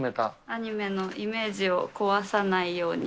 アニメのイメージを壊さないように。